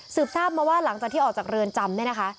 ทราบมาว่าหลังจากที่ออกจากเรือนจำเนี่ยนะคะ